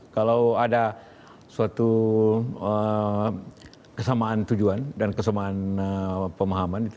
kalau ada suatu kesamaan tujuan dan kesamaan pemahaman